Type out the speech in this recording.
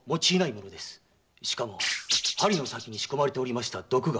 しかも針の先に仕込まれておりました毒が。